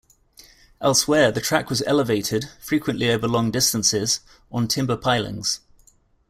Elsewhere, the track was elevated - frequently over long distances - on timber pilings.